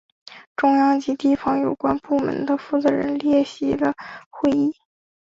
中央及地方有关部门的负责人列席了会议。